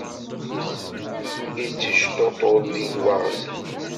Yettejṭuṭul din waɣzen.